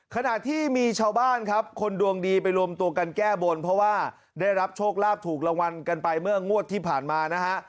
ขณะที่มีชาวบ้านครับคนดวงดีไปรวมตัวกันแก้บนเพราะว่าได้รับโชคลาภถูกรางวัลกันไปเมื่องวดที่ผ่านมานะฮะ